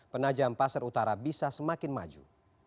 penajam pasar utara bisa semakin maju